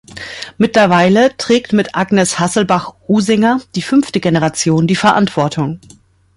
Mittlerweile trägt mit Agnes Hasselbach-Usinger die fünfte Generation die Verantwortung.